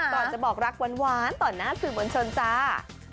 ก่อนจะบอกรักหวานต่อหน้าสื่อมวลชนจ้า